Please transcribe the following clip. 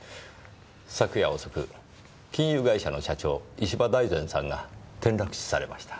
昨夜遅く金融会社の社長石場大善さんが転落死されました。